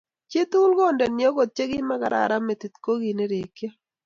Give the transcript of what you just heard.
Chii tugul Kondeni okot che makararan metit ko ki nerekyo.